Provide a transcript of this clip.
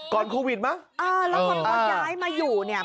ก่อนโควิดมั้ยเออแล้วพอย้ายมาอยู่เนี่ย